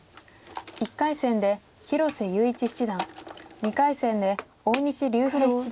１回戦で広瀬優一七段２回戦で大西竜平七段。